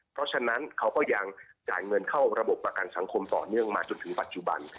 เพราะฉะนั้นเขาก็ยังจ่ายเงินเข้าระบบประกันสังคมต่อเนื่องมาจนถึงปัจจุบัน